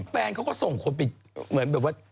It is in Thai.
แฟนเขาก็ส่งคนไปเหมือนแบบว่า